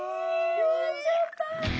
終わっちゃった！